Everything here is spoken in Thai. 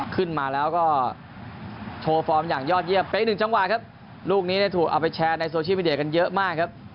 ขึ้นมาแล้วก็โชว์ฟอร์มอย่างยอดเยี่ยมเป็นอีกหนึ่งจังหวะครับลูกนี้เนี่ยถูกเอาไปแชร์ในโซเชียลวิเดียกันเยอะมากครับ